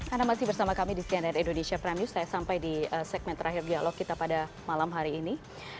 anda masih bersama kami di cnn indonesia prime news saya sampai di segmen terakhir dialog kita pada malam hari ini